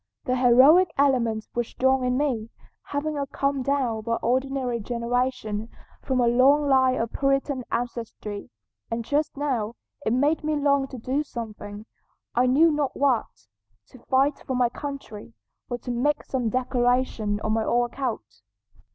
The heroic element was strong in me, having come down by ordinary generation from a long line of Puritan ancestry, and just now it made me long to do something, I knew not what: to fight for my country, or to make some declaration on my own account."